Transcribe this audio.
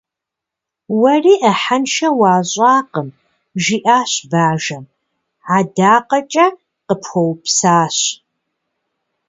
Уэри ӏыхьэншэ уащӏакъым, - жиӏащ бажэм. - Адакъэкӏэ къыпхуэупсащ.